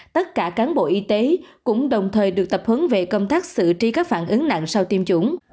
tất cả cán bộ y tế cũng đồng thời được tập hướng về công tác xử tri các phản ứng nặng sau tiêm chủng